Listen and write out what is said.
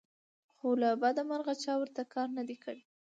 خو له بدمرغه چا ورته کار نه دى کړى